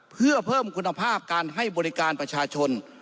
เพื่อเพิ่มคุณภาพการให้บริการประชาชน